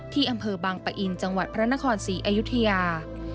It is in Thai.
อำเภอบางปะอินจังหวัดพระนครศรีอยุธยา